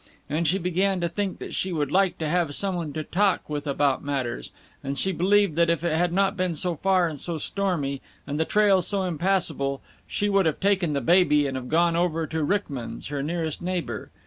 And she began to think that she would like to have someone to talk with about matters, and she believed that if it had not been so far and so stormy, and the trail so impassable, she would have taken the baby and have gone over to Ryckman's, her nearest neighbor.